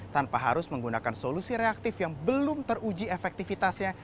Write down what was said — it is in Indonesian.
tanpa harus menggunakan solusi reaktif yang belum teruji efektivitasnya